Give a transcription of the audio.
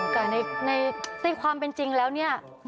แต่ในความเป็นจริงแล้วเนี่ย